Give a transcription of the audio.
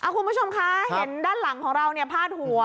คุณผู้ชมคะเห็นด้านหลังของเราพาดหัว